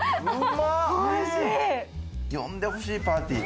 呼んでほしい、パーティー。